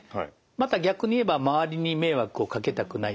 また逆に言えば周りに迷惑をかけたくないと。